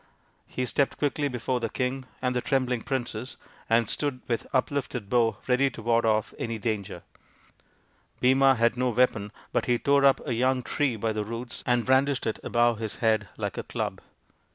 He stepped quickly before the king and the trembling princess, and stood with uplifted bow ready to ward off any danger. Bhima had no F 82 THE INDIAN STORY BOOK weapon, but he tore up a young tree by the roots and brandished it above his head like a club.